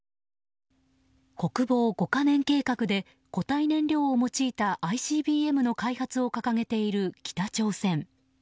国防５か年計画で固体燃料を用いたＩＣＢＭの開発を掲げている北朝鮮。